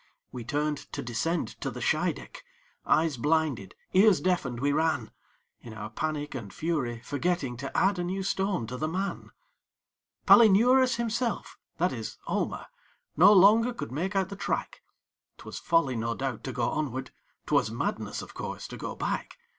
We turned to descend to the Scheideck, Eyes blinded, ears deafened, we ran, In our panic and hurry, forgetting To add a new stone to the man. Palinurus himself that is Almer No longer could make out the track; 'Twas folly, no doubt, to go onward; 'Twas madness, of course, to go back.